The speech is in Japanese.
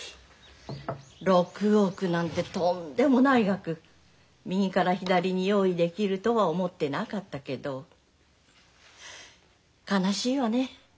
６億なんてとんでもない額右から左に用意できるとは思ってなかったけど悲しいわね